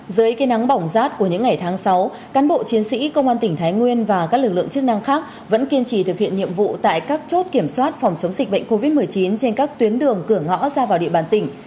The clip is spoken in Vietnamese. dưới cây nắng bỏng rát của những ngày tháng sáu cán bộ chiến sĩ công an tỉnh thái nguyên và các lực lượng chức năng khác vẫn kiên trì thực hiện nhiệm vụ tại các chốt kiểm soát phòng chống dịch bệnh covid một mươi chín trên các tuyến đường cửa ngõ ra vào địa bàn tỉnh